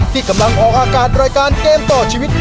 ที่กำลังออกอากาศรายการเกมต่อชีวิต